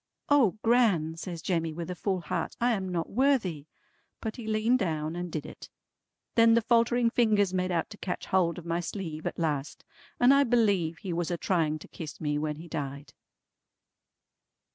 '" "O Gran," says Jemmy with a full heart, "I am not worthy!" But he leaned down and did it. Then the faltering fingers made out to catch hold of my sleeve at last, and I believe he was a trying to kiss me when he died.